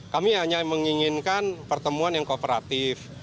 kami hanya menginginkan pertemuan yang kooperatif